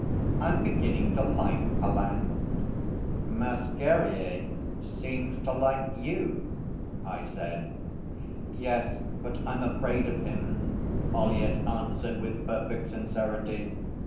I'm beginning to like Pallant.' 'Masquerier seems to like you,' I said. 'Yes, but I'm afraid of him,' Ollyett answered with perfect sincerity.